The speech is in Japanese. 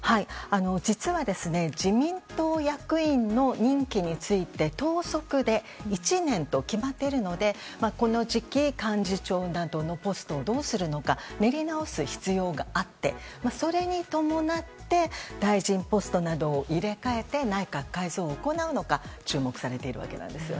実は自民党役員の任期について党則で１年と決まっているのでこの時期幹事長などのポストをどうするのか練り直す必要があってそれに伴って大臣ポストなどを入れ替えて内閣改造を行うのか注目されています。